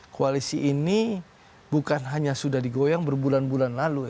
koalisi ini bukan hanya sudah digoyang berbulan bulan lalu